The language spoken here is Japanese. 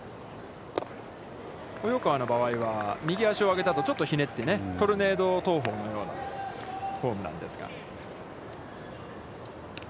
及川の場合は、右足を上げた後ちょっとひねってトルネード投法のようなフォームなんですが。